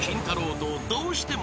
とどうしても］